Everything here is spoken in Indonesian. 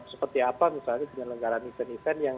seperti apa misalnya penyelenggaran event event yang